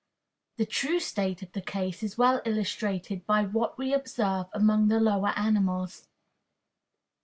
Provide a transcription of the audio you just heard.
The true state of the case is well illustrated by what we observe among the lower animals.